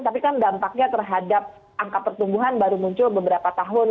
tapi kan dampaknya terhadap angka pertumbuhan baru muncul beberapa tahun